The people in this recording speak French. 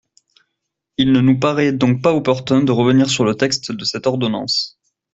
Il ne nous paraît donc pas opportun de revenir sur le texte de cette ordonnance.